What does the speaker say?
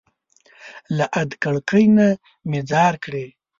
له ادکړکۍ نه مي ځار کړى